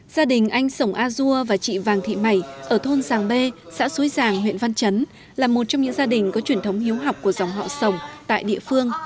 gia đình anh sổng a dua và chị vàng thị mày ở thôn giàng bê xã xuối giàng huyện văn chấn là một trong những gia đình có truyền thống hiếu học của dòng họ sổng tại địa phương